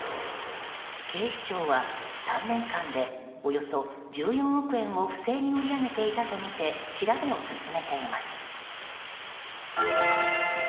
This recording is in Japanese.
警視庁は３年間でおよそ１４億円を不正に売り上げていたとみて調べを進めています。